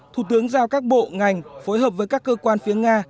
thủ tướng giao các bộ ngành phối hợp với các cơ quan phía nga